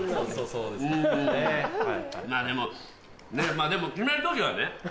まぁでも決める時はね